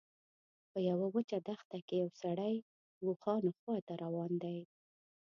په یوه وچه دښته کې یو سړی د اوښانو خواته روان دی.